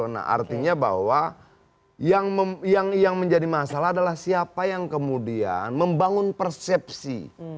nah artinya bahwa yang menjadi masalah adalah siapa yang kemudian membangun persepsi